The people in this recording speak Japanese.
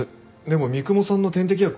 でも三雲さんの点滴薬